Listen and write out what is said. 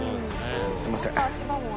すいません。